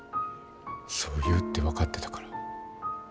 そう言うって分かってたから。